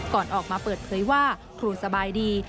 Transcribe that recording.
ก่อนออกมาเปิดเผยว่าครูสบายดี